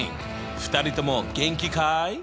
２人とも元気かい？